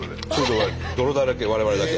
泥だらけ我々だけ。